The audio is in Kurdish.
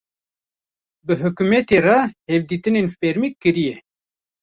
bi hukumetê re hevditînên fermî kiriye.